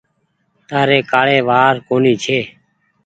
تآري ڪآڙي وآڙ ڪونيٚ ڇي۔